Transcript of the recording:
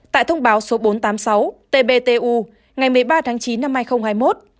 tại thông báo số bốn trăm tám mươi sáu tbtu ngày một mươi ba tháng chín năm hai nghìn hai mươi một